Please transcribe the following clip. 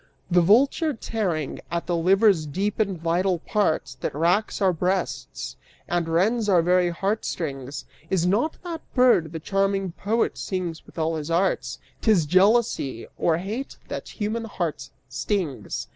The vulture tearing; at the liver's deep and vital parts, That wracks our breasts and rends our very heartstrings Is not that bird the charming poet sings with all his arts; 'T'is jealousy or hate that human hearts stings.